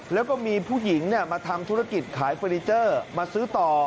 แล้วก็มีผู้หญิงมาทำธุรกิจขายเฟอร์นิเจอร์มาซื้อต่อ